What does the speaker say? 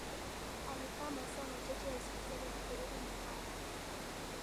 Alikaa masaa machache hospitali na kurudi nyumbani